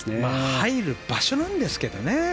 入る場所なんですけどね。